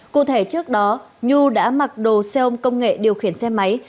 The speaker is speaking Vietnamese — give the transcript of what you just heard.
cụ thể trước đó nhu đã mặc đồ xe ôm công nghệ điều khiển xe máy